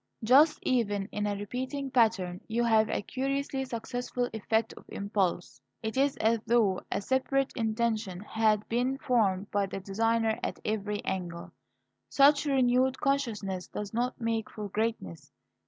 Thus, even in a repeating pattern, you have a curiously successful effect of impulse. It is as though a separate intention had been formed by the designer at every angle. Such renewed consciousness does not make for greatness.